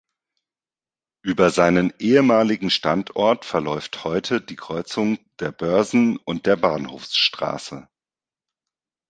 Über seinen ehemaligen Standort verläuft heute die Kreuzung der Börsen- und der Bahnhofstrasse.